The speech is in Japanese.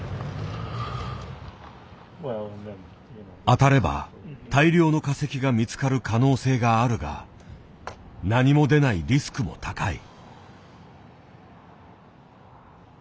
当たれば大量の化石が見つかる可能性があるが何も出ないリスクも高い。